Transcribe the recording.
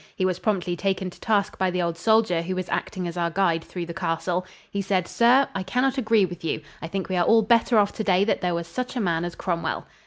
He was promptly taken to task by the old soldier who was acting as our guide through the castle. He said, "Sir, I can not agree with you. I think we are all better off today that there was such a man as Cromwell."